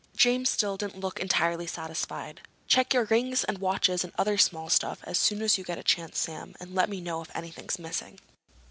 James still didn't look entirely satisfied. "Check your rings and watches and other small stuff as soon as you get a chance, Sam, and let me know if anything's missing."